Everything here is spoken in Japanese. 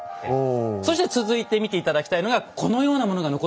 そして続いて見て頂きたいのがこのようなものが残っているんです。